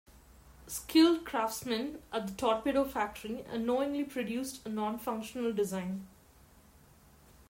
Skilled craftsmen at the torpedo factory unknowingly produced a nonfunctional design.